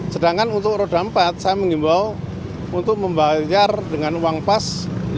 sedangkan untuk roda empat saya mengimbau untuk membayar dengan uang pas